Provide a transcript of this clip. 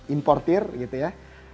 importer gitu ya